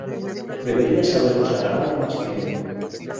Deberías haberlos agarrado más tiempo.